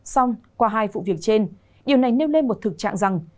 xong qua hai vụ việc trên điều này nêu lên một thực trạng rằng